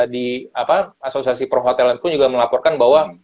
di asosiasi perhotelan pun juga melaporkan bahwa